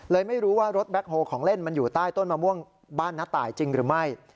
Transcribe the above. ไม่รู้ว่ารถแบ็คโฮของเล่นมันอยู่ใต้ต้นมะม่วงบ้านน้าตายจริงหรือไม่